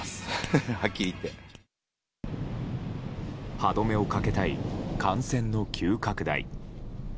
歯止めをかけたい感染の急拡大。